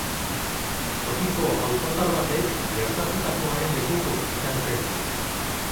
Tokiko auzotar batek gertatutakoaren lekuko izan zen.